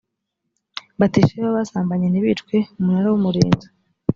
batisheba basambanye ntibicwe umunara w umurinzi